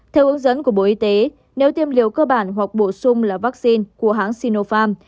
theo ướng dẫn của bộ y tế nếu tiêm liều cơ bản hoặc bổ sung là vắc xin của hãng sinopharm